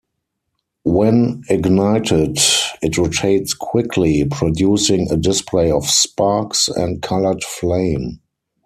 When ignited, it rotates quickly, producing a display of sparks and coloured flame.